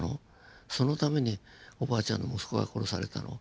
そのためにおばあちゃんの息子が殺されたの？